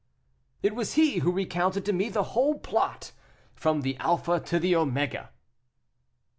"It was he who recounted to me the whole plot, from the alpha to the omega."